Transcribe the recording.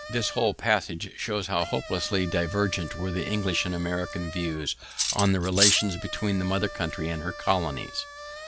This whole passage shows how hopelessly divergent were the English and American views on the relations between the mother country and her colonies.